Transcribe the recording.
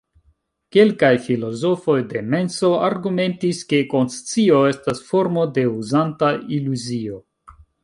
Kelkaj filozofoj de menso argumentis ke konscio estas formo de uzanta iluzio.